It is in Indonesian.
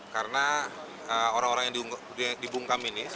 karena orang orang yang dibungkam ini seperti